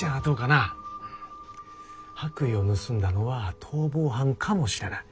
白衣を盗んだのは逃亡犯かもしれない。